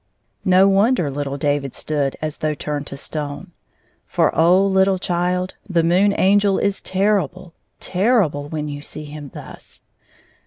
1 06 No wonder little David stood as though turned to stone. For, oh! little child, the Moon Angel is terrihle, terrible when you see him thus.